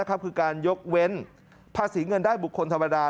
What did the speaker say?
คือการยกเว้นภาษีเงินได้บุคคลธรรมดา